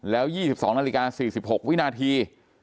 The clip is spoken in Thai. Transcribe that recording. แล้ว๒๒นาฬิกา๔๖วินาที